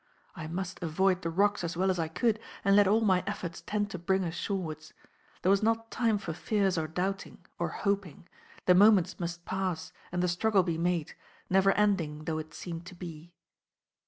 I must avoid the rocks as well as I could, and let all my efforts tend to bring us shorewards. There was not time for fears or doubting, or hoping; the moments must pass and the struggle be made, never ending though it seemed to be.